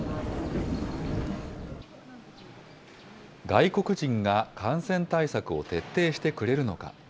外国人が感染対策を徹底してくれるのか。